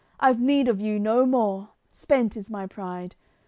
I've need of you no more; spent is my pride!